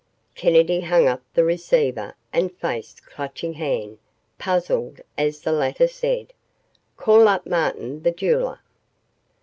Kennedy hung up the receiver and faced Clutching Hand puzzled as the latter said, "Call up Martin, the jeweler."